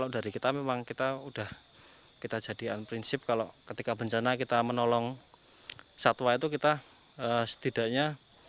dan prinsip kalau ketika bencana kita menolong satwa itu kita setidaknya